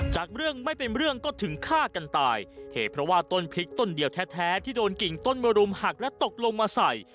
จากเรื่องไม่เป็นเรื่องก็ถึงฆ่ากันตายเหตุเพราะว่าต้นพริกต้นเดียวแท้ที่โดนกิ่งต้นมรุมหักและตกลงมาใส่